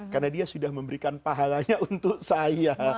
karena dia sudah memberikan pahalanya untuk saya